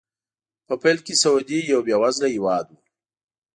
په پیل کې سعودي یو بې وزله هېواد و.